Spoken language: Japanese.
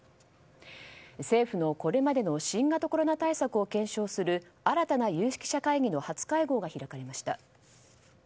政府のこれまでの新型コロナ対策を検証する新たな有識者会議の初会合が開かれました。